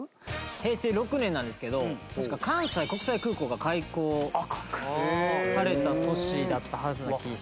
平成６年なんですけど確か関西国際空港が開港された年だったはずな気が。